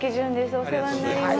お世話になります。